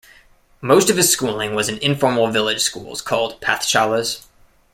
Most of his schooling was in informal village schools called pathshalas.